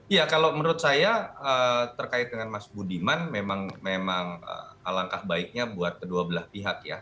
ya kalau menurut saya terkait dengan mas budiman memang alangkah baiknya buat kedua belah pihak ya